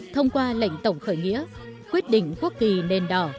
thông qua lệnh tổng khởi nghĩa quyết định quốc kỳ nền đỏ